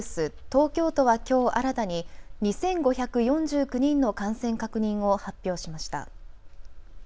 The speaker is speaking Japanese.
東京都はきょう新たに２５４９人の感染確認を発表しました。